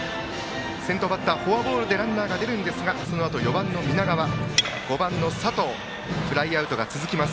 先頭バッター、フォアボールでランナーが出ましたがそのあと４番の南川５番の佐藤とフライアウトが続きます。